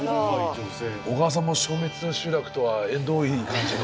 小川さんも消滅集落とは縁遠い感じの。